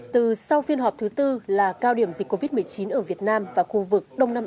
từ sau phiên họp thứ tư là cao điểm dịch covid một mươi chín ở việt nam và khu vực đông nam á